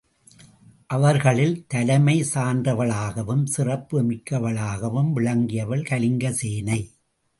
அவர்களில் தலைமை சான்றவளாகவும் சிறப்பு மிக்கவளாகவும் விளங்கியவள் கலிங்கசேனை.